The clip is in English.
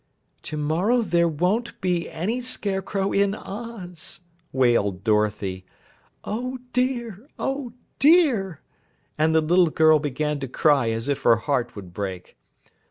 "To morrow there won't be any Scarecrow in Oz!" wailed Dorothy. "Oh, dear! Oh, dear!" And the little girl began to cry as if her heart would break.